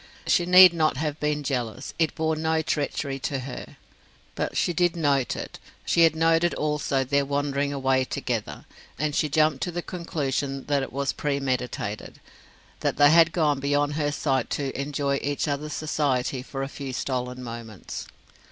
She need not have been jealous: it bore no treachery to her. But she did note it; she had noted also their wandering away together, and she jumped to the conclusion that it was premeditated, that they had gone beyond her sight to enjoy each other's society for a few stolen moments.